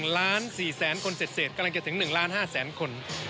ล้าน๔แสนคนเสร็จกำลังจะถึง๑ล้าน๕แสนคน